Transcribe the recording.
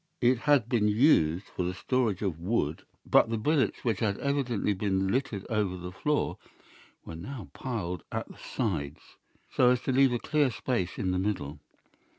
"It had been used for the storage of wood, but the billets, which had evidently been littered over the floor, were now piled at the sides, so as to leave a clear space in the middle.